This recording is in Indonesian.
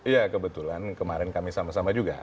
iya kebetulan kemarin kami sama sama juga